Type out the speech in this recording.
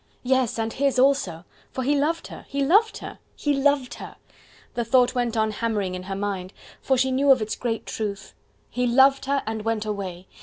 Yes! and his also! for he loved her! he loved her! he loved her! the thought went on hammering in her mind, for she knew of its great truth! He loved her and went away!